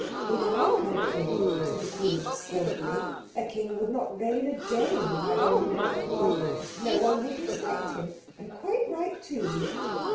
"In our country," said the Queen scornfully, "a king would not reign a day who had only one wife. No one would respect him, and quite right too."